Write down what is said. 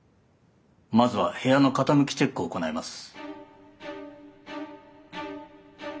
まずは部屋の傾きチェックを行います。